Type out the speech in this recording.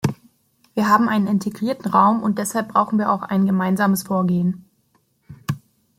Wir haben einen integrierten Raum und deshalb brauchen wir auch ein gemeinsames Vorgehen.